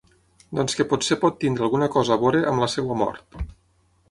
Doncs que potser pot tenir alguna cosa a veure amb la seva mort.